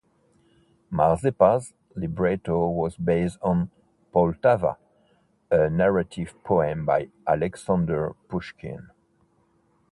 "Mazeppa"'s libretto was based on "Poltava", a narrative poem by Alexander Pushkin.